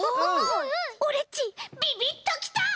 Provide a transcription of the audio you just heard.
オレっちビビッときた！